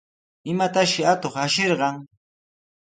¿Imatashi atuq ashirqan?